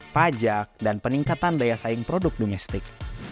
pajak dan peningkatan daya saing produk domestik